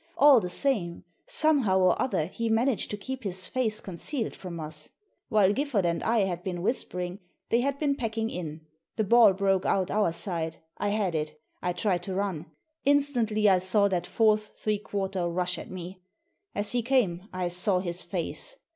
All the same, somehow or other he managed to keep his face concealed from us. While Giffard and I had been whispering they had been packing in. The ball broke out our side. I had it I tried to run. Instantly I saw that fourth three quarter rush at me. As he came I saw his face.